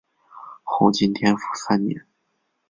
后晋天福三年。